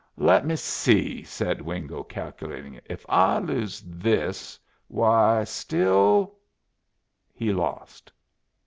"Let me see," said Wingo, calculating, "if I lose this why still " He lost.